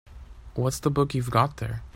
What's that book you've got there?